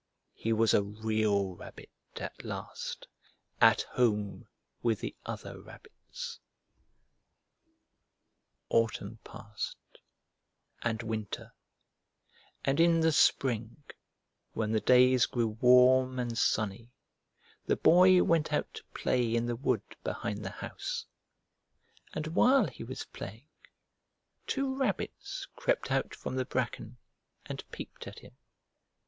He was a Real Rabbit at last, at home with the other rabbits. At Last! At Last! Autumn passed and Winter, and in the Spring, when the days grew warm and sunny, the Boy went out to play in the wood behind the house. And while he was playing, two rabbits crept out from the bracken and peeped at him.